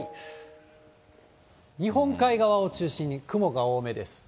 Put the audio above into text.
日本海側を中心に雲が多めです。